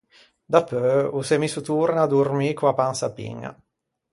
Dapeu o s’é misso torna à dormî co-a pansa piña.